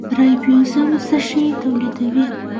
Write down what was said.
رایبوزوم څه شی تولیدوي؟